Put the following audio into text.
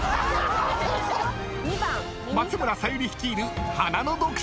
［松村沙友里率いる華の独身軍！］